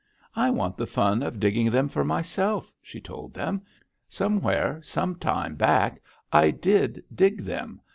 "'I want the fun of digging them for myself,' she told them. 'Somewhere, some time back, I did dig them.